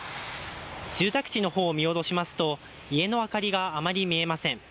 住宅地の方を見下ろしますと家の明かりがあまり見えません。